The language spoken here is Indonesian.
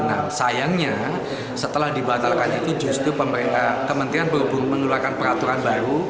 nah sayangnya setelah dibatalkan itu justru kementerian perhubungan mengeluarkan peraturan baru